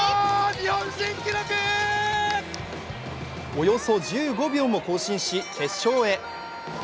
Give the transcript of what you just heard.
およそ１５秒も更新し決勝へ。